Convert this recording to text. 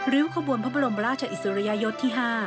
้วขบวนพระบรมราชอิสริยยศที่๕